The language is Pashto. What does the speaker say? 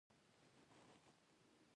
غوا د خپل طبیعت له مخې ارامه ده.